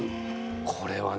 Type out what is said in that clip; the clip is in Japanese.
これはね